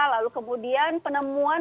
lalu kemudian penemuan